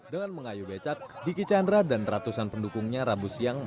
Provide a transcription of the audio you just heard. dengan mengayu becak diki chandra dan ratusan pendukungnya rabu siang